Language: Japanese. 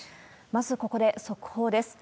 まず、ここで速報です。